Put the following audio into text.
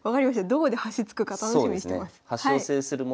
どこで端突くか楽しみにしてます。